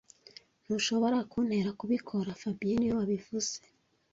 Ntushobora kuntera kubikora fabien niwe wabivuze